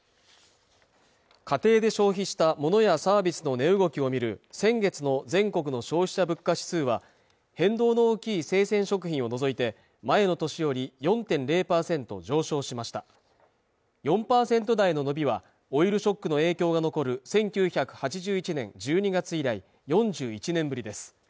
家庭で消費したモノやサービスの値動きを見る先月の全国の消費者物価指数は変動の大きい生鮮食品を除いて前の年より４．０％上昇しました４％台の伸びはオイルショックの影響が残る１９８１年１２月以来４１年ぶりです